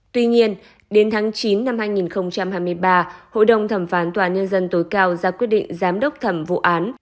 tuy nhiên đến tháng chín năm hai nghìn hai mươi ba hội đồng thẩm phán tòa án nhân dân tối cao ra quyết định giám đốc thẩm vụ án